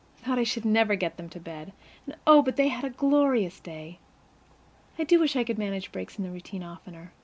I thought I should never get them to bed. And, oh, but they had had a glorious day! I do wish I could manage breaks in the routine oftener.